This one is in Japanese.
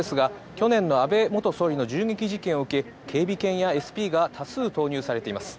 去年の安倍元総理の銃撃事件を受け、警備犬やＳＰが多数投入されています。